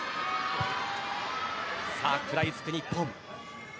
食らいつく日本。